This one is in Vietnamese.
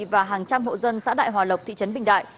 và hàng trăm hộ dân xã đại hòa lộc thị trấn bình đại